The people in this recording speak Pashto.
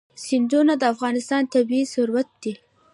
سیندونه د افغانستان طبعي ثروت دی.